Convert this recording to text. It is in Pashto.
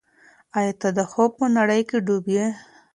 آیا ته د خوب په نړۍ کې ډوب یې؟